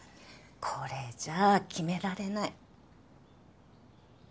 これじゃあ決められない。